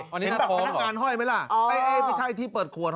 เห็นภรรยาการท้อยไหมล่ะพี่ไทม์ที่เปิดควด